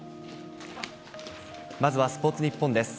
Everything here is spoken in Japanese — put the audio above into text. まずはスポーツニッポンです。